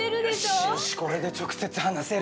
よしよし、これで直接話せる。